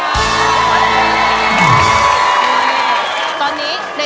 ด้านล่างเขาก็มีความรักให้กันนั่งหน้าตาชื่นบานมากเลยนะคะ